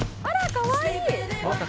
「あらかわいい！」